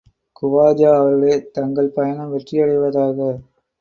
குவாஜா அவர்களே, தங்கள் பயணம் வெற்றியடைவதாக!